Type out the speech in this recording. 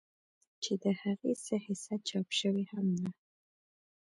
چې د هغې څۀ حصه چاپ شوې هم ده